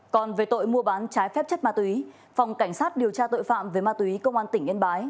còn về tội mua bán trái phép chất ma túy phòng cảnh sát điều tra tội phạm về ma túy công an tỉnh yên bái